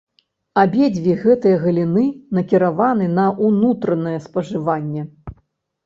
Абедзве гэтыя галіны накіраваны на ўнутранае спажыванне.